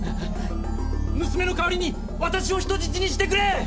むすめの代わりに私を人質にしてくれ！